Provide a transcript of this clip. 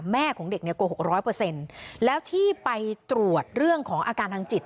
แม่ของเด็กเนี่ยโกหกร้อยเปอร์เซ็นต์แล้วที่ไปตรวจเรื่องของอาการทางจิต